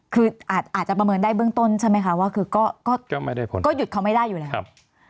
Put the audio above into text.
คืออาจจะประเมินได้เบื้องต้นใช่ไหมคะว่าคือก็หยุดเขาไม่ได้อยู่แล้ว